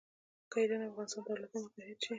که ایران او افغانستان دولتونه متحد شي.